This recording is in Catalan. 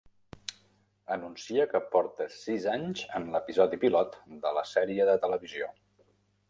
Anuncia que porta sis anys en l'episodi pilot de la sèrie de televisió.